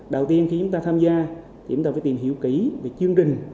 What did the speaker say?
đầu tiên khi chúng ta tham gia thì chúng ta phải tìm hiểu kỹ về chương trình